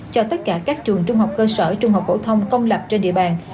cho tất cả các trường trung học cơ sở trung học phổ thông công lập trên địa bàn